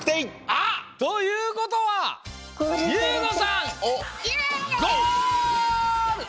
あっ！ということはゆうごさんゴール！